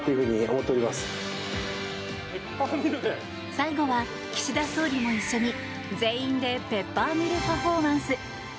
最後は岸田総理も一緒に全員でペッパーミルパフォーマンス。